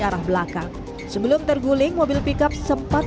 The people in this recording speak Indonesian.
arah belakang sebelum terguling mobil pickup sempat menabrak sebuah sepeda motor